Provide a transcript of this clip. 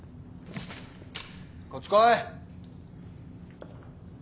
こっち来い！